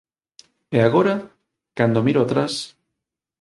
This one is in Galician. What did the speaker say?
E agora, cando miro atrás